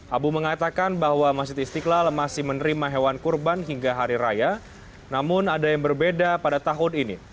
abu mengatakan bahwa masjid istiqlal masih menerima hewan kurban hingga hari raya namun ada yang berbeda pada tahun ini